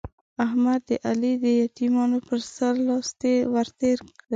احمد د علي د يتيمانو پر سر لاس ور تېروي.